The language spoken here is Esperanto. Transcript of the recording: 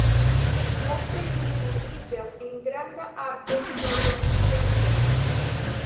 Poste ĝi turniĝas en granda arko nordokcidenten.